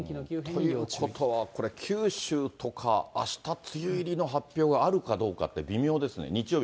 ということは九州とか、あした、梅雨入りの発表があるかどうかって微妙ですね。